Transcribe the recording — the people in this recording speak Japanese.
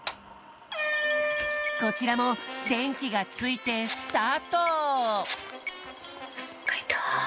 こちらもでんきがついてスタート！